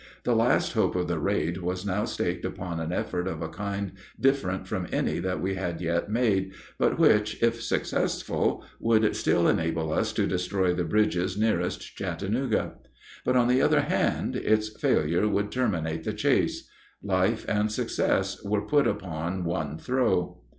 The last hope of the raid was now staked upon an effort of a kind different from any that we had yet made, but which, if successful, would still enable us to destroy the bridges nearest Chattanooga. But, on the other hand, its failure would terminate the chase. Life and success were put upon one throw.